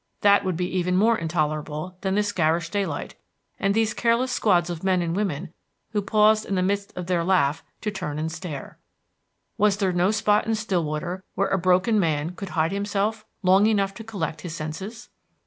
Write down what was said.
That would be even more intolerable than this garish daylight, and these careless squads of men and women who paused in the midst of their laugh to turn and stare. Was there no spot in Stillwater where a broken man could hide himself long enough to collect his senses?